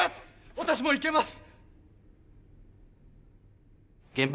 私も行けます！